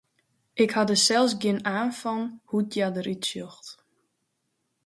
Ik ha der sels gjin aan fan hoe't hja derút sjocht.